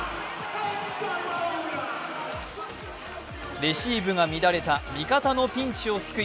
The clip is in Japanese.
レシーブが乱れた味方のピンチを救い